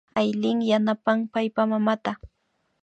Aylin yanapan paypa mamata